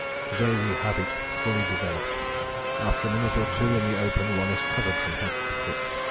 To day we have it fully developed. After a minute or two in the open one is covered from head to foot.